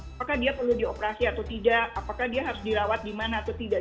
apakah dia perlu dioperasi atau tidak apakah dia harus dirawat di mana atau tidak